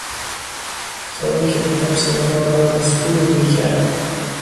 جوان که بودم سینما مرا مسحور میکرد.